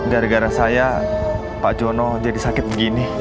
gara gara saya pak jono jadi sakit begini